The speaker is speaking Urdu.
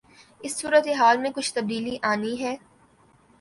اس صورتحال میں کچھ تبدیلی آنی ہے۔